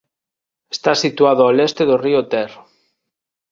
Está situado ao leste do río Ter.